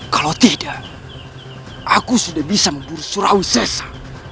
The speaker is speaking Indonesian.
kalau tidak aku sudah bisa memburu surawee zesa